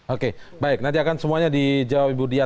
oke baik nanti akan semuanya dijawab ibu dia